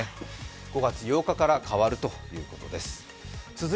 ５月８日から変わるということです。